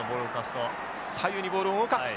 左右にボールを動かす。